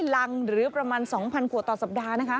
รังหรือประมาณ๒๐๐ขวดต่อสัปดาห์นะคะ